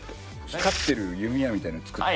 光ってる弓矢みたいなのを作って。